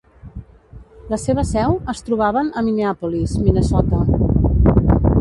La seva seu es trobaven a Minneapolis, Minnesota.